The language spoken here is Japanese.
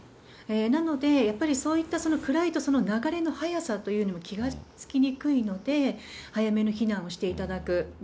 なので、やっぱりそういった暗いと、流れの速さというのも気がつきにくいので、早めの避難をしていただく。